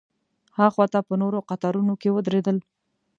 ها خوا ته په نورو قطارونو کې ودرېدل.